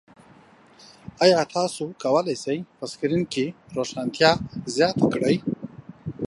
ایا تاسو کولی شئ په سکرین کې روښانتیا زیاته کړئ؟